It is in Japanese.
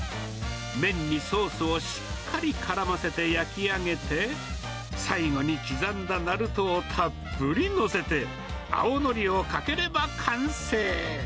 麺にソースをしっかりからませて焼き上げて、最後に刻んだナルトをたっぷり載せて、青のりをかければ完成。